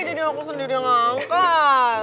jadi aku sendiri yang angkat